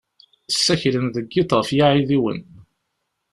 Ssaklen deg iḍ ɣef yiɛidiwen.